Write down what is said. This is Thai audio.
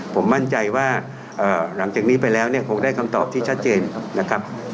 ผมมั่นใจว่าหลังจากนี้ไปแล้วเนี่ยคงได้คำตอบที่ชัดเจนนะครับ